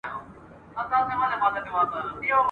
پېړۍ وروسته په یو قام کي پیدا زوی د کوه طور سي ..